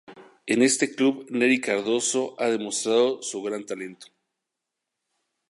En este club Neri Cardozo ha demostrado su gran talento.